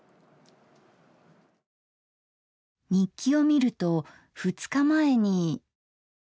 日記を見ると２日前に。